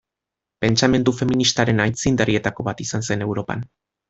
Pentsamendu feministaren aitzindarietako bat izan zen Europan.